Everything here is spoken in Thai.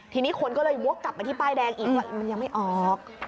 ทีนี้คนก็กลับไปป้ายแดงอีกว่ามันยังไม่ออก